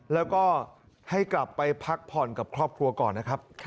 แล้วก็ให้กลับไปพักผ่อนกับครอบครัวก่อนนะครับ